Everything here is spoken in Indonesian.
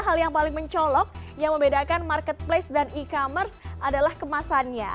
hal yang paling mencolok yang membedakan marketplace dan e commerce adalah kemasannya